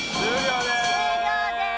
終了です。